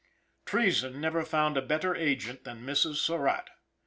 Treason never found a better agent than Mrs. Surratt.